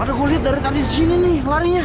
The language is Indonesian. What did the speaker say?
ada kulit dari tadi sini nih larinya